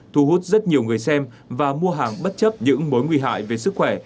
thu hút rất nhiều người xem và mua hàng bất chấp những mối nguy hại về sức khỏe